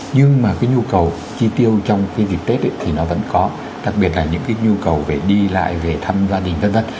nhưng mà cái nhu cầu chi tiêu trong cái dịp tết thì nó vẫn có đặc biệt là những cái nhu cầu về đi lại về thăm gia đình v v